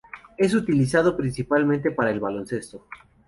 Es utilizado principalmente para el baloncesto.